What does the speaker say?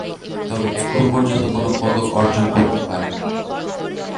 তবে এখনো পর্যন্ত কোন পদক অর্জন করতে পারেনি।